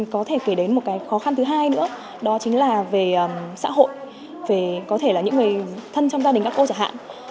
có thể kể đến một cái khó khăn thứ hai nữa đó chính là về xã hội có thể là những người thân trong gia đình các cô chẳng hạn